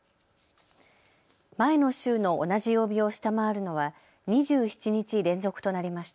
前の週の同じ曜日を下回るのは２７日連続となりました。